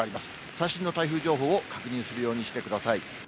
最新の台風情報を確認するようにしてください。